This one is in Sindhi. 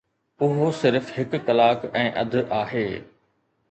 اهو صرف هڪ ڪلاڪ ۽ اڌ آهي.